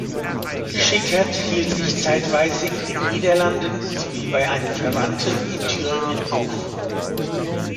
Schickert hielt sich zeitweise in den Niederlanden sowie bei einem Verwandten in Thüringen auf.